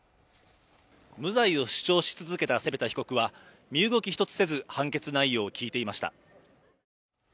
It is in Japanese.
無罪を主張し続けたセペダ被告は身動き一つせず判決内容を聞いていました